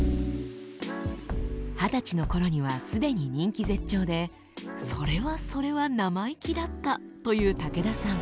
二十歳の頃には既に人気絶頂でそれはそれは生意気だったという武田さん。